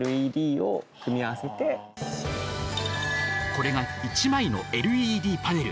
これが１枚のＬＥＤパネル。